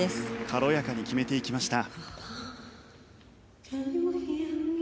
軽やかに決めていきました。